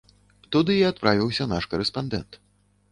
Туды і адправіўся наш карэспандэнт.